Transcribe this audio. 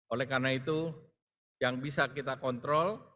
oleh karena itu yang bisa kita kontrol